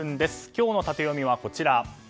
今日のタテヨミはこちら。